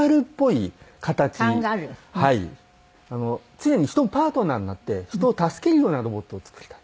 常に人のパートナーになって人を助けるようなロボットを作りたい。